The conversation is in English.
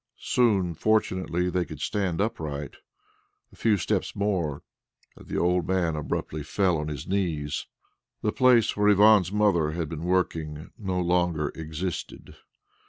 Soon, fortunately, they could stand upright. A few steps more and the old man abruptly fell on his knees. The place where Ivan's mother had been working no longer existed.